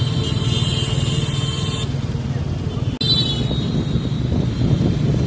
สุดท้ายสุดท้ายสุดท้ายสุดท้าย